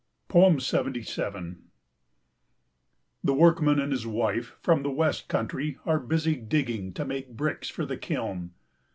77 The workman and his wife from the west country are busy digging to make bricks for the kiln.